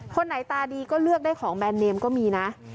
คนไหนตาดีก็เลือกได้ของแนนเนมก็มีนะ